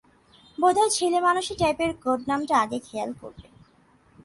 বোধহয় ছেলেমানুষী টাইপের কোড নামটা আগে খেয়াল করবে।